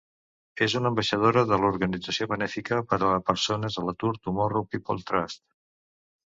És una ambaixadora de l'organització benefica per a persones a l'atur Tomorrow's People Trust.